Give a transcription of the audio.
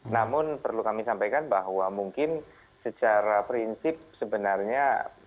namun perlu kami sampaikan bahwa mungkin secara prinsip sebenarnya